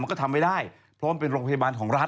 ก็ทำไม่ได้เพราะมันเป็นโรงพยาบาลของรัฐ